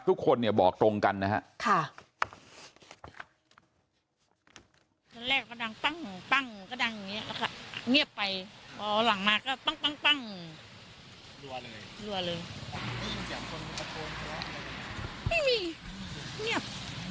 ทุกคนเนี่ยบอกตรงกันนะครับ